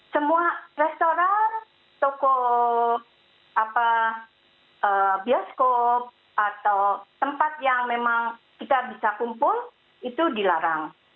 semua restoran toko bioskop atau tempat yang memang kita bisa kumpul itu dilarang